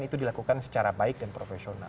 itu dilakukan secara baik dan profesional